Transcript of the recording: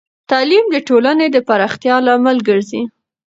تعلیم د ټولنې د پراختیا لامل ګرځی.